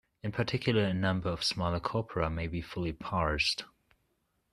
In particular, a number of smaller corpora may be fully parsed.